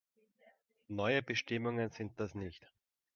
Neue Bestimmungen sind das nicht.